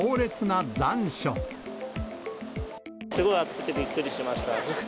すごい暑くてびっくりしました。